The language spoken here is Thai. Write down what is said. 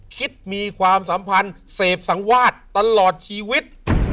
มีความสัมพันธ์เสพสังวาสตลอดชีวิต